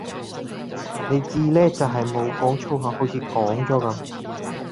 你至叻就系冇講粗口好似講咗噉